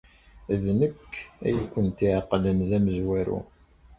D nekk ay kent-iɛeqlen d amezwaru.